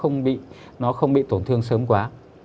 nó không bị tổn thương sớm quá